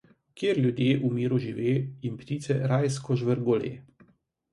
Kjer ljudje v miru žive, jim ptice rajsko žvrgole.